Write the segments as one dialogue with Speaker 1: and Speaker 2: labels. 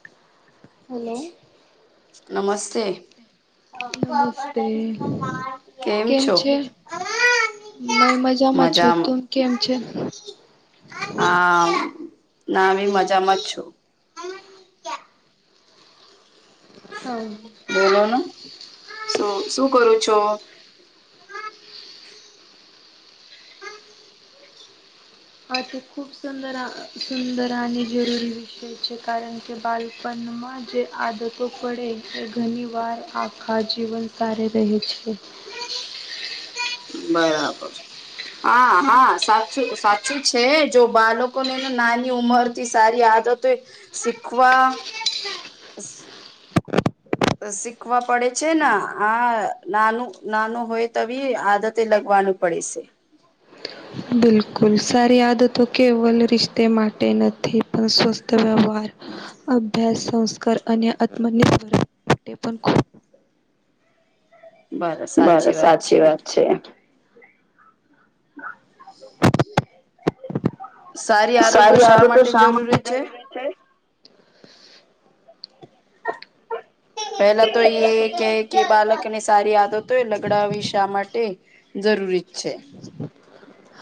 Speaker 1: હ
Speaker 2: નમસ્તે
Speaker 1: નમસ્તે
Speaker 2: કેમ છો.
Speaker 1: મેં મજામાં છું તું કેમ છે.
Speaker 2: હા નામ મજામાં જ છું.
Speaker 1: હા
Speaker 2: બોલો ને શું શું કરું છો.
Speaker 1: આ તે ખૂબ સુંદર સુંદર અને જરૂરી વિષય છે કારણ કે કે બાલપણમાં જે આદતો પડે એ ઘણી વાર આખા જીવન કારે રહી છે.
Speaker 2: બરાબર હા હા સાચું સાચું છે જો બાળકો ને નાની ઉંમર સારી આદતો શીખવા શીખવા પડે છે ને આ નાનું નાનું હોય તવીી આદતે લગવાનું. પડે છે.
Speaker 1: બિલકુલ સારી આદ તો કેવલ રિશ્તે માટે નથી. સ્વસ્થ વ્યવહાર અભ્યાસ સંસ્કાર અને આત્મનિર્ભર માટે પણ ખૂબ બસ સાચી વાત છે. [unintelligible] [inaudible]
Speaker 2: સારી આદતો શા માટે જરૂરી છે.
Speaker 1: હ
Speaker 2: પેલા તો એ કે કે બાળક ને સારી આદત હોય લગડાવી શા માટે. જરૂરી છે. જ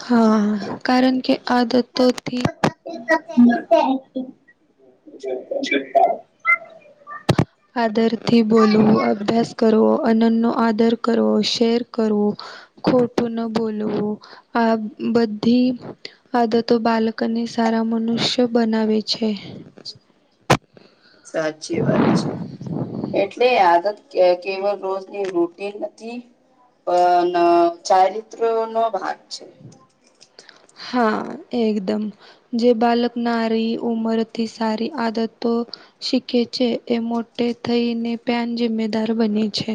Speaker 1: હા કારણ કે આદતોથી અર થી બોલવું અભ્યાસ કરવો અનનનો આદર કરવો શેર કરવું ખોટું ન બોલવું આ બધી આદતો બાલકને સારા મનુષ્ય બનાવે છે.
Speaker 2: સાચી વાત છે. એટલે આદત કેવલ રોજની રૂટી નથી. અ ચારિત્ર નો ભાગ છે.
Speaker 1: હા એકદમ જે બાલક નારી ઉમરથી સારી આદતો શીખે છે એ મોટે થઈને પ્યાન જિમ્મેદાર બને છે.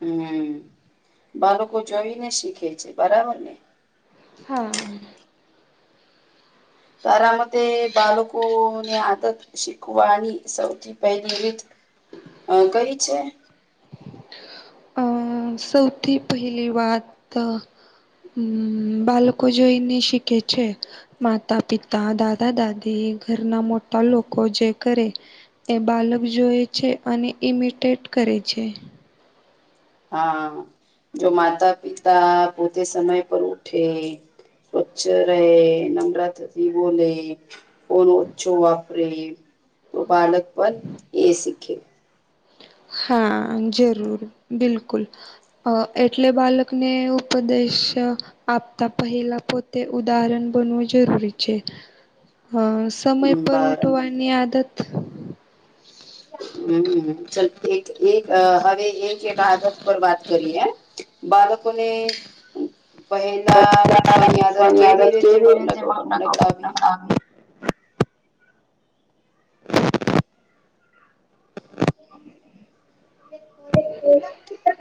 Speaker 2: હમ બાળકો જયને શીખે છે બરાબર ને
Speaker 1: હા
Speaker 2: તારા મતે બાળકો ને આદત શીખવાની સૌથી. પહેલી રીત કઈ છે.
Speaker 1: અ સૌથી પહેલી વાત. હમ બાળકો જોઈને શીખે છે. માતા પિતા દાદા દાદી ઘરના મોટા લોકો જે કરે. એ બાલક જોય છે અને ઇમિટેટ કરે છે.
Speaker 2: હા જો માતા પિતા પોતે સમય પર ઉઠે. સ્વચ્છ રહે નમરાત્રથી બોલે. ઓ ઓછું વાપરે તો બળક પણ એ સીખે.
Speaker 1: હા જરૂર બિલકુલ. અ એટલે બાળકને ઉપદેશ. આપતા પહેલા પોતે ઉદાહરણ બનવું જરૂરી છે અ. સમય પર
Speaker 2: બાર
Speaker 1: ઉઠવાની આદત.
Speaker 2: હમ ચ એક એક હવે એક એક આદત પર વાત કરીએે. બળ કોને. પહેલા ઉઠવાની આદત કેવી રીતે લગાવી. [inaudible]
Speaker 1: [unintelligible]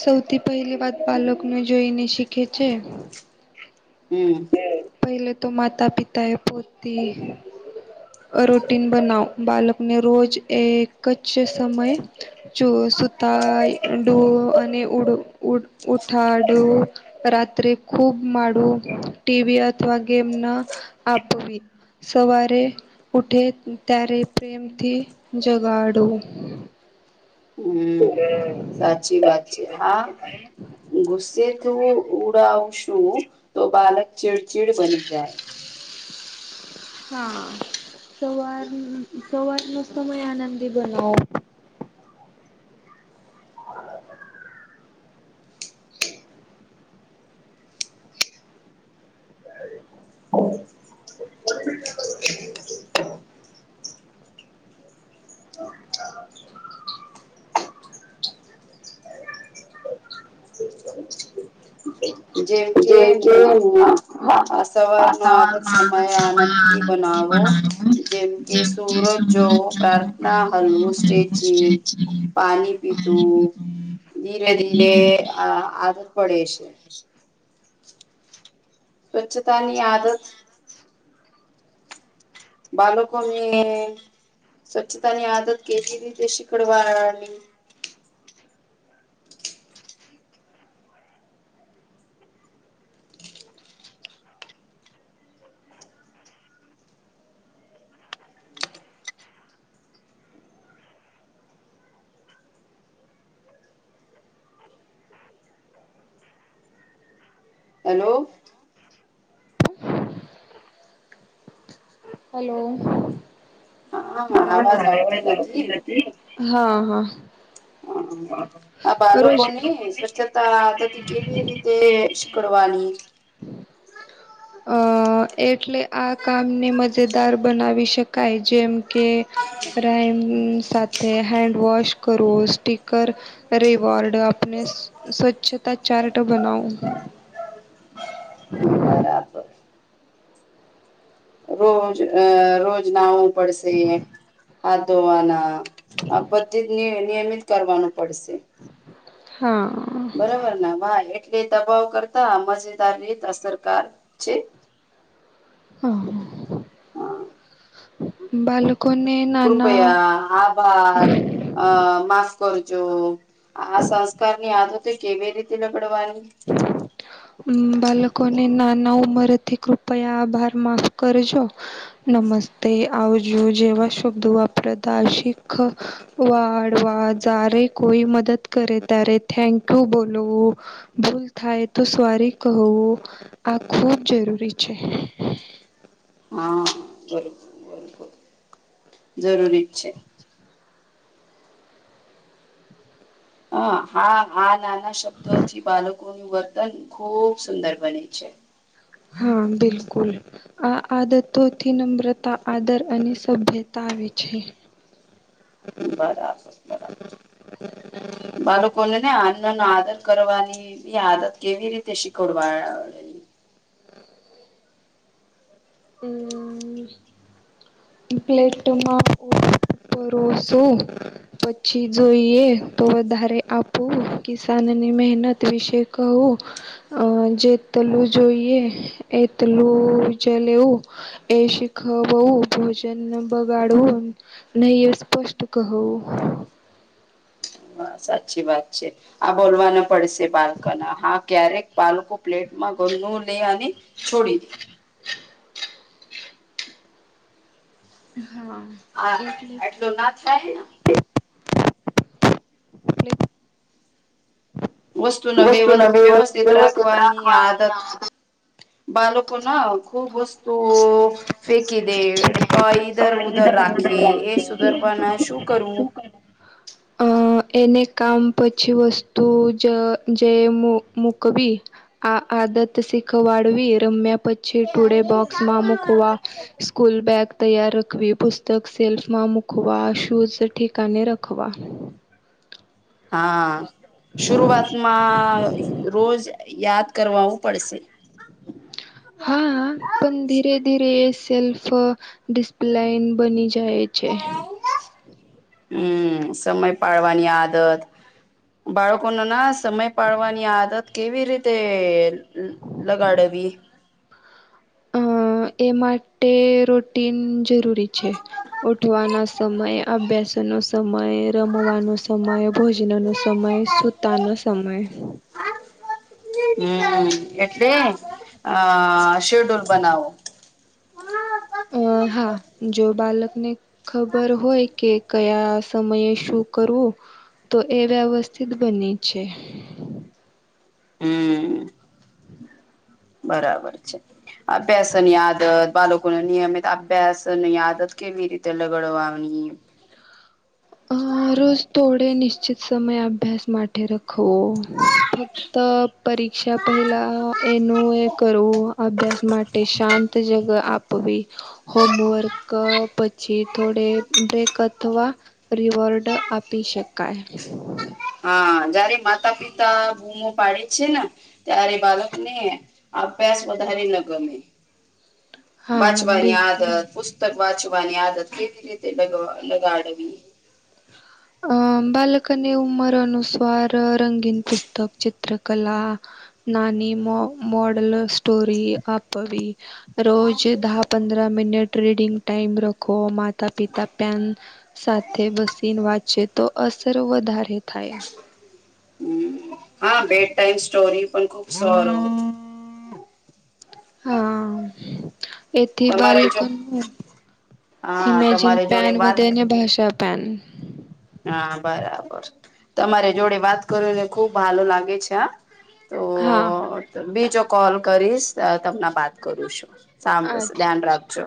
Speaker 1: સૌથી પહેલી વાત બાલકને જોઈને શીખે છે.
Speaker 2: હમ.
Speaker 1: પહેલે તો માતા પિતા એ પોતી રોટીન બનાવ બાલક. અને અને રોજ એક જ સમય. સુતાડું અને ઉડ ઉ ઉઠાડું. રાત્રે ખુબ માડું ટીવી અથવા ગેમ ના આપવી. સવારે. ઉઠે ત્યારે પ્રેમથી જગાડો.
Speaker 2: હમ સાચી વાત છે હા. ગુસ્સેથીું ઉડાવશું તો બાલક ચીડચીડ બની જાય.
Speaker 1: [unintelligible] હા સવાર સવારનોો સમય આનંદી બનાવો. [unintelligible] [unintelligible] [unintelligible] [unintelligible]
Speaker 2: જેમ કે આ
Speaker 1: આ
Speaker 2: સવારનો
Speaker 1: સવારમાં
Speaker 2: સમય
Speaker 1: આદત
Speaker 2: આનંદ
Speaker 1: આનંદી
Speaker 2: બનાવો. જેમ કે સુૂરજ
Speaker 1: સૂરજ જોવાનો
Speaker 2: પ્રાર્થના
Speaker 1: પ્રયત્ન
Speaker 2: હલવું
Speaker 1: કરવો
Speaker 2: સ્ટેચી.
Speaker 1: સ્ટ્રેચિંગ
Speaker 2: પાણી
Speaker 1: પાણી
Speaker 2: પીતું
Speaker 1: પીવું
Speaker 2: ધીરે ધીરે આ આદત પડે છે. સ્વચ્છતાની આદત બાલકોને
Speaker 1: બાળકોને
Speaker 2: સ્વચ્છતા ની આદત કેવી રીતે શિકડવાળની હેલો
Speaker 1: હલો
Speaker 2: હા અવાજ આવતી નથી
Speaker 1: [inaudible] હા હા
Speaker 2: આ
Speaker 1: રોજ
Speaker 2: બાળકો ને સ્વચ્છતાતી કેવી રીતે શીકડવાની
Speaker 1: અ એટલે આ કામ ને મ- - મજેદાર બનાવી શકાય જેમ કે રેમ સાથે હેન્ડવોશ કરવો સ્ટીકર રિવાર્ડ આપણે સ્વચ્છતા ચાર્ટ બનાઓ
Speaker 2: બરાબર રોજ રોજ નાવું પડશે હાથ ધોવાના આ બધી જ નિયમિત કરવાનું પડશે
Speaker 1: હા
Speaker 2: બરોબર વા એટલે દબાવ કરતા મજેદાર રીત અસરકાર છે.
Speaker 1: હ
Speaker 2: હા,
Speaker 1: બાલો. કોઈ ને ના.
Speaker 2: કૃપયા આ. આ અ માફ કરજો આ સંસ્કારની આદત તે કેવી રીતે લકડવાની
Speaker 1: હ બાળકોને નાના ઉમરથી કૃપયા આભાર માફ કરશો. નમસ્તે આવજો જેવા શબ્દો વાપરાદા શીખ. વાળવા જારે કોઈ મદદ કરે તારે થેન્ક યુ બોલો. ભૂલ થાય તો સ્વારી કહવું આ ખૂબ જરૂરી છે.
Speaker 2: હા બ જરૂરી જ છે. હ હા આ નાના શબ્દોથી બાળકો એનુ વર્તન ખુબ સુંદર બને છે.
Speaker 1: હા બિલકુલ આ આદતોથી નમ્રતા આદર અને સભ્યતા આવે છે. [inaudible]
Speaker 2: બરાબર બરાબર બાળકોને ને અન્ન નો આદર કરવાની એ આદત કેવી રીતે શીકોડવાળ.
Speaker 1: હમ. પ્લેટ માંકો પરોસું. પછી જોઈએ તો વધારે આપું કિસાનની મહેનત વિશે. કહૂ અ જેટલું જોઈએ એટલું જ. લેવું એ શીખવું ભોજન ન બગાડવું નહી સ્પષ્ટ કહો.
Speaker 2: હ સાચી વાત છે આ બોલવા નુ પડશે બાલ્કના હા ક્યારેક બાલકો પ્લેટમાં ગનો ની આલી છોડી દે.
Speaker 1: હ [inaudible] હા.
Speaker 2: હા એટલું ના થાયને.
Speaker 1: હ [inaudible]
Speaker 2: વસ્તુના નો વ્ય વ્યવસ્થિત રાખવાની આદત બાલકો. કોના ખૂબ વસ્તુઓ. ફેકી દે ટોઈજ
Speaker 1: વસ્તુને
Speaker 2: ઈધર ઉધર રાખે એ
Speaker 1: ફેંકી
Speaker 2: સુધરવાના શું કરવું.
Speaker 1: હમ. એને કામ પછી વસ્તુ જ જે મુ મુકવી. આ આદત શીખવાડવી રમ્યા પછી ટુડે બોક્સમાં મુકવા સ્કૂલ બેગ તૈયાર રાખવી, પુસ્તક સેલ્ફમાં મૂકવા, શૂઝ ઠેકાને રાખવા.
Speaker 2: હા શુરુઆતમાં રોજ યાદ કરવાવું પડશે.
Speaker 1: હા પણ ધીરે ધીરે એ સેલ્ફ ડિસ્પ્લાન બની છે. જાય છે.
Speaker 2: હમ સમય પાડવાની આદત. બાળકોને ના સમય પાડવાની આદત કેવી રીતે લગાડેવી?
Speaker 1: અ એ માટે રુટીન જરૂરી છે. ઉઠવાનો સમય, અભ્યાસનો સમય, રમવાનો સમય, ભોજનનો સમ સમય, સુતાનો સમય
Speaker 2: હમ એટલે આ શેડ્યલ બનાવવો.
Speaker 1: અ હા જો બાલકને ખબર હોય કે કયા સમયે શું કરવું? તો એ વ્યવસ્થિત બને છે.
Speaker 2: હમ બરાબર છે. અભ્યાસની આદત બાળકોને નિયમિત અભ્યાસની આદત કેવી રીતે લગડવાની?
Speaker 1: અ રોજ થોડે નિશ્ચિત સમય અભ્યાસ માટે રખો. ફક્ત પરીક્ષા પહેલા એનું એ કરવું અભ્યાસ માટે શાંત જગ આપ વી હોમવર્ક પછી થોડે બ્રેક અથવા રીવોર્ડ આપી શકાય.
Speaker 2: હા જયારે માતા પિતા બૂમો પાડે છે ને ત્યારે બાલકને અભ્યાસ વધારે ન ગમે.
Speaker 1: [inaudible]
Speaker 2: વાંચવાની આદત,
Speaker 1: બિલકુલ
Speaker 2: પુસ્તક વાંચવાની આદત, કેવી રીતે લગ લગાડવી?
Speaker 1: અ બાલકને ઉમર અનુસાર રંગીન પુસ્તક ચી ચિત્રકલા નાની મો મોડલ સ્ટોરી આપવી. રોજ દહ પંદર મિનટ રીડિંગ ટાઈમ રખો મા માતા પિતા પ્યાન સાથે વસીને વાચ છે તો અસર વધારે થાય. [inaudible]
Speaker 2: હા બેડ ટાઈમ સ્ટોરી પણ ખુબ સ
Speaker 1: હા એથી
Speaker 2: તમારે જો
Speaker 1: બાલકનું
Speaker 2: હા
Speaker 1: ઇમેજિન
Speaker 2: તમારે
Speaker 1: પેન
Speaker 2: જોડે વાત
Speaker 1: વધે ને ભાષા પેન.
Speaker 2: હા બરાબર. તમારે જોડે વાત કરુંને ખુબ ભાલ લાગે છે હા. તો
Speaker 1: હા
Speaker 2: બીજો કોલ કરીશ તમને બાત કરું છું. સાંભળું
Speaker 1: અચ્છા
Speaker 2: છું ધ્યાન
Speaker 1: અચ્છા
Speaker 2: રાખજો.